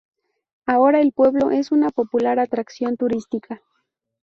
Ahora el pueblo es una popular atracción turística.